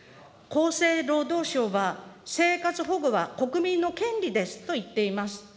厚生労働省は生活保護は国民の権利ですと言っています。